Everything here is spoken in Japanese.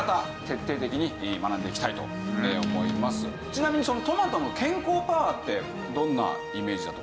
ちなみにトマトの健康パワーってどんなイメージだと思います？